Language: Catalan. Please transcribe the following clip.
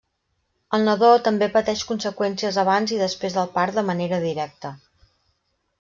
El nadó també pateix conseqüències abans i després del part de manera directa.